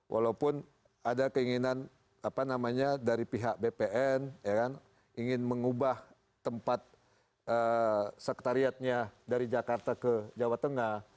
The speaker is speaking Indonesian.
walaupun ada keinginan apa namanya dari pihak bpn ingin mengubah tempat sekretariatnya dari jakarta ke jawa tengah